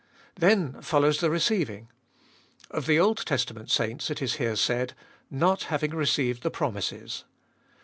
Then follows the receiving. Of the Old Testament saints it is here said, not having received the promises.